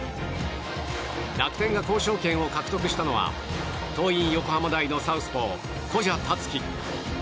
楽天が交渉権を獲得したのは桐蔭横浜大のサウスポー古謝樹。